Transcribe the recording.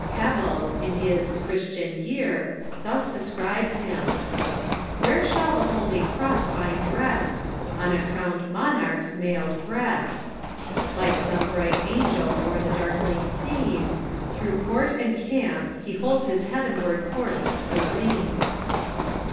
Keble, in his "Christian Year," thus describes him :" Where shall the holy Cross find rest ? On a crown'd monarch's mailed breast : Like some bright angel o'er the darkling scene, Through court and camp he holds his heavenward course serene."